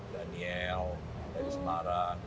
daniel dari semarang